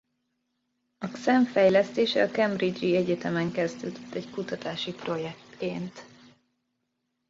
A Xen fejlesztése a Cambridge-i Egyetemen kezdődött egy kutatási projektként.